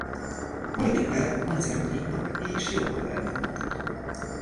Politikailag konzervatívnak és jobboldalinak mondható.